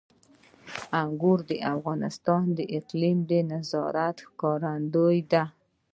انګور د افغانستان د اقلیمي نظام ښکارندوی ده.